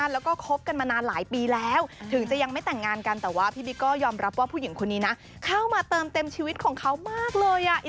เป็นสาวนอกวงการ